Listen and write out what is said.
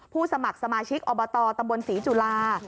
สมัครสมาชิกอบตตำบลศรีจุฬา